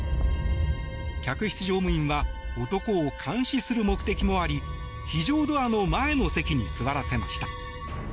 客室乗務員は男を監視する目的もあり非常ドアの前の席に座らせました。